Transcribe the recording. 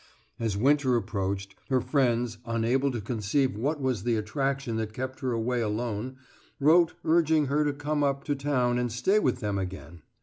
As winter approached, her friends, unable to conceive what was the attraction that kept her away alone, wrote urging her to come up to town and stay with them again.